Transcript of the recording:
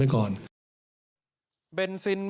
นายกเศรษฐาตอบอย่างไรลองฟังดูครับ